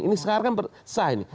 ini sekarang bersah ini